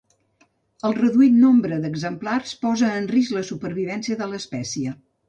El seu reduït nombre d'exemplars posa en risc la supervivència de l'espècie.